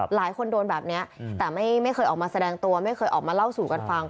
หลายคนโดนแบบนี้แต่ไม่เคยออกมาแสดงตัวไม่เคยออกมาเล่าสู่กันฟัง